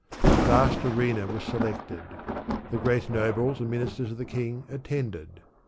A vast arena was selected. The great nobles and ministers of the king attended.